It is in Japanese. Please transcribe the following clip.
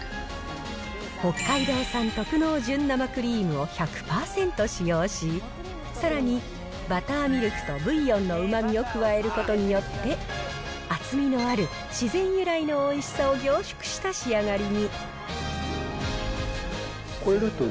北海道産特濃純生クリームを１００％使用し、さらにバターミルクとブイヨンのうまみを加えることによって、厚みのある自然由来のおいしさを凝縮した仕上がりに。